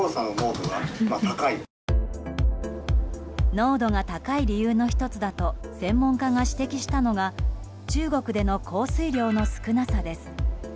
濃度が高い理由の１つだと専門家が指摘したのは中国での降水量の少なさです。